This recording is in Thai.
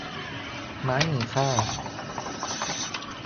ไม้มีค่า